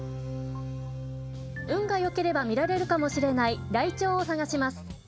運がよければ見られるかもしれないライチョウを探します。